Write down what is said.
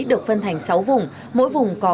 được phân thành sáu vùng mỗi vùng có